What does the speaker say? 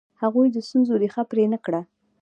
هغوی د ستونزو ریښه پرې نه کړه.